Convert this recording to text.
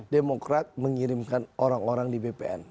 demokrat mengirimkan orang orang di bpn